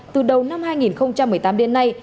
từ đầu năm hai nghìn một mươi tám đến nay